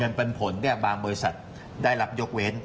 เงินปันผลเนี่ยบางบริษัทได้รับยกเว้น